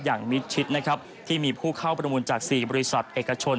มิดชิดนะครับที่มีผู้เข้าประมูลจาก๔บริษัทเอกชน